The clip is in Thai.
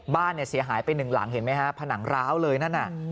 บ้านเนี่ยเสียหายไปหนึ่งหลังเห็นไหมฮะผนังร้าวเลยนั่นน่ะ